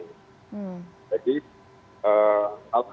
jadi hal hal yang perlu saya katakan adalah